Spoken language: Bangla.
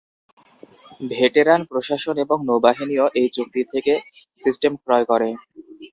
ভেটেরান প্রশাসন এবং নৌবাহিনীও এই চুক্তি থেকে সিস্টেম ক্রয় করে।